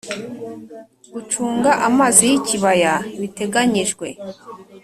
Gucunga amazi y ikibaya biteganyijwe